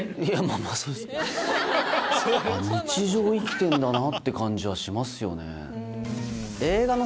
日常を生きてるんだなって感じはしますよね。